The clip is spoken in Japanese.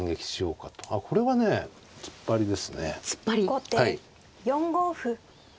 後手４五歩。